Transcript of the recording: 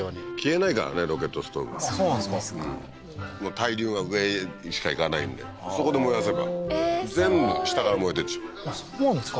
対流が上にしか行かないんでそこで燃やせば全部下から燃えていくしそうなんですか？